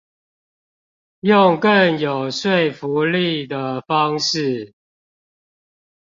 用更有說服力的方式